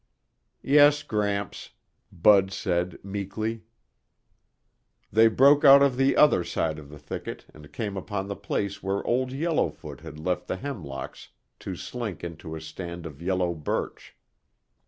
"Yes, Gramps," Bud said meekly. They broke out of the other side of the thicket and came upon the place where Old Yellowfoot had left the hemlocks to slink into a stand of yellow birch.